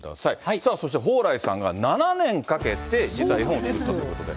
さあそして蓬莱さんが７年かけて、実は絵本をつくったということで。